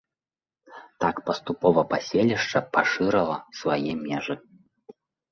Так паступова паселішча пашырала свае межы.